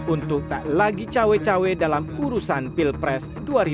untuk tak lagi cawe cawe dalam urusan pilpres dua ribu dua puluh empat